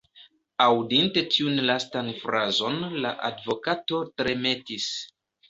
Aŭdinte tiun lastan frazon, la advokato tremetis.